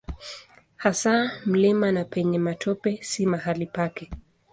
Hasa mlimani na penye matope si mahali pake.